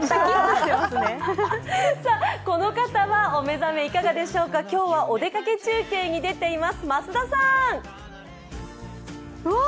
この方はお目覚めいかがでしょうか今日はお出かけ中継に出ています増田さん！